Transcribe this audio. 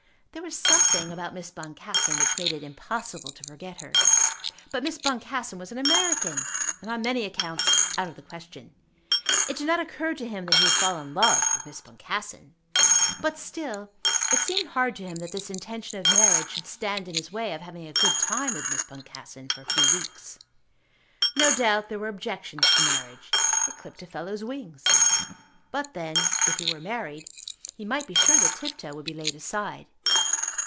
There was something about Miss Boncassen which made it impossible to forget her. But Miss Boncassen was an American, and on many accounts out of the question. It did not occur to him that he would fall in love with Miss Boncassen; but still it seemed hard to him that this intention of marriage should stand in his way of having a good time with Miss Boncassen for a few weeks. No doubt there were objections to marriage. It clipped a fellow's wings. But then, if he were married, he might be sure that Tifto would be laid aside.